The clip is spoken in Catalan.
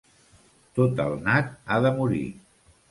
Tot el nat ha de morir.